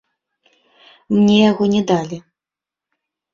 Мне яго не далі.